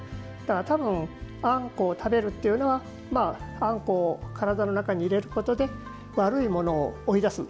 多分、あんこを食べるというのはあんこを体の中に入れることで悪いものを追い出す。